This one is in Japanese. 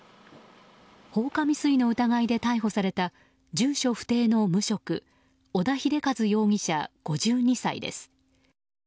放火未遂の疑いで逮捕された住所不定の無職織田秀一容疑者、５２歳です。